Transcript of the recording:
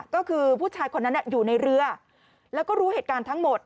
ก็คือผู้ชายคนนั้นอยู่ในเรือแล้วก็รู้เหตุการณ์ทั้งหมด